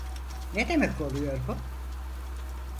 Ne demek oluyor bu?